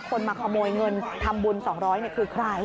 มาขโมยเงินทำบุญ๒๐๐คือใคร